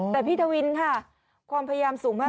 แต่พี่ทวินค่ะความพยายามสูงมาก